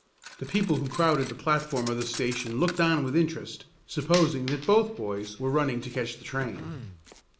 The people who crowded the platform of the station looked on with interest, supposing that both boys were running to catch the train.